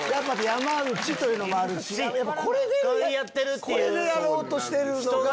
山内というのもあるしこれでやろうとしてるのが。